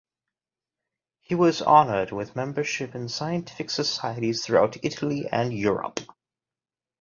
He was honored with memberships in scientific societies throughout Italy and Europe.